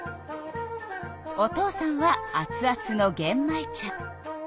お父さんは熱々のげん米茶。